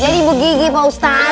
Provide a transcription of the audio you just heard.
jadi ibu gigi ustadz